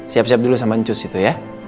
siap siap dulu sama cus itu ya